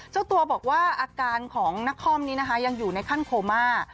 เจ้าตัวบอกว่าอาการของนักคอมนี้นะคะยังอยู่ในขั้นโคม่า